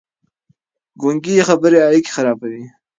ګونګې خبرې اړيکې خرابوي.